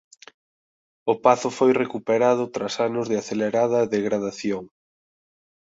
O pazo foi recuperado tras anos de acelerada degradación.